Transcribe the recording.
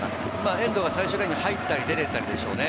遠藤が最終ラインに入ったり出て行ったりでしょうね。